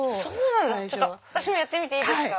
私もやってみていいですか？